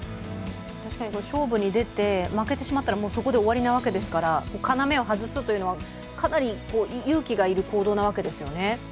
確かに勝負に出て負けてしまったらそこで終わりなわけですから要を外すというのはかなり勇気がいる行動なわけですよね。